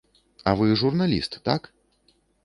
А вы журналіст, так?